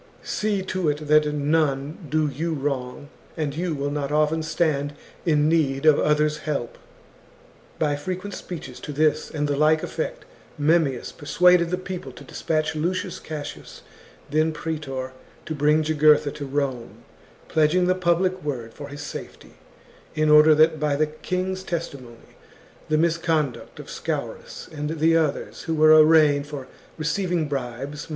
See to it that none do you wrong, and you will not often stand in need of others' help." CHAP. By frequent speeches to this and the like effect, Memmius persuaded the people to despatch Lucius Cassius, then praetor, to bring Jugurtha to Rome, pledging the public word for his safety, in order that by the king's testimony the misconduct of Scaurus and THE JUGURTHINE WAR. 1 59 the others who were arraigned for receiving bribes chap.